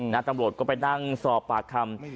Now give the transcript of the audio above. ตำรวจก็ไปนั่งสอบปากคำ